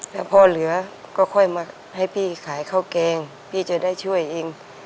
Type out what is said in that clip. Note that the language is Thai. แล้วพอเหลือก็ค่อยมาให้พี่ขายข้าวแกงพี่จะได้ช่วยเอง